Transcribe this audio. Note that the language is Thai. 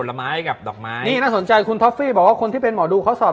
เล็กเล็กเล็กเล็กเล็กเล็กเล็กเล็กเล็กเล็กเล็กเล็กเล็ก